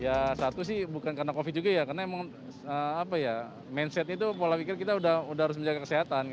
ya satu sih bukan karena covid juga ya karena emang apa ya mindset itu pola pikir kita udah harus menjaga kesehatan